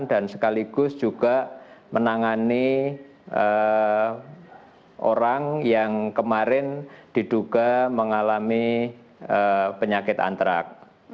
dan sekaligus juga menangani orang yang kemarin diduga mengalami penyakit antrak